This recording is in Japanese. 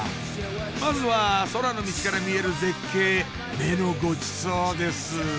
まずは空のミチから見える絶景目のごちそうです！